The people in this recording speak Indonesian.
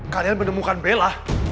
kalian menemukan bella